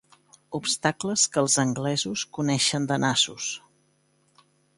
Obstacles que els anglesos coneixen de nassos.